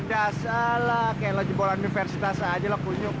bisa lah kayak lo jempolan universitas aja lo bunyuk